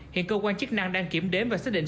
hiện cơ quan chức năng đang kiểm đếm và xác định